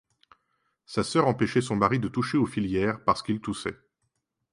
Sa soeur empêchait son mari de toucher aux filières, parce qu'il toussait.